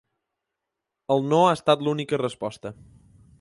El “no” ha estat l’única resposta.